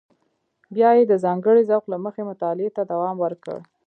بیا یې د ځانګړي ذوق له مخې مطالعه ته دوام ورکړ.